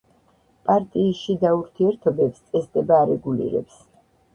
პარტიის შიდა ურთიერთობებს წესდება არეგულირებს.